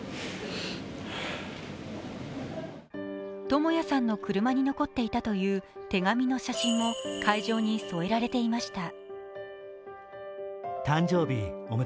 智也さんの車に残っていたという手紙の写真も会場に添えられていました。